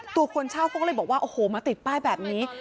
คนเช่าเขาก็เลยบอกว่าโอ้โหมาติดป้ายแบบนี้